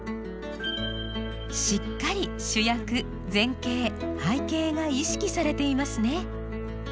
しっかり主役前景背景が意識されていますね。